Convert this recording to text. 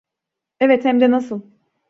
Evet, hem de nasıl.